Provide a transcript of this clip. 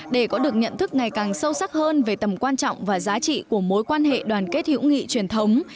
để có được nhận thức ngày càng sâu sắc hơn về tầm quan trọng và giá trị của mối quan hệ đoàn kết hữu nghị truyền thống